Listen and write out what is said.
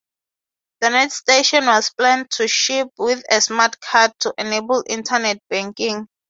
The NetStation was planned to ship with a smart card to enable internet banking.